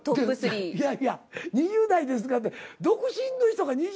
いやいや２０代ですからって独身の人が２０代やからね。